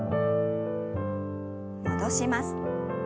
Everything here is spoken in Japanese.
戻します。